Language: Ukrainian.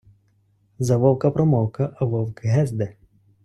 За вовка промовка, а вовк гезде.